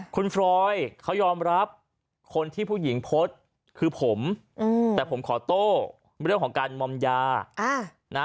คุณฟรอยเขายอมรับคนที่ผู้หญิงโพสต์คือผมแต่ผมขอโต้เรื่องของการมอมยานะ